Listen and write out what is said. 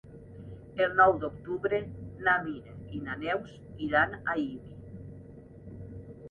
El nou d'octubre na Mira i na Neus iran a Ibi.